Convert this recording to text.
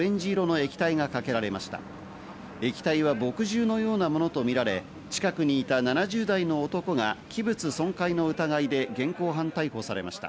液体は墨汁のようなものとみられ、近くにいた７０代の男が器物損壊の疑いで現行犯逮捕されました。